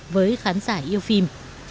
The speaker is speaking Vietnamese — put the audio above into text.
với khán giả yêu phim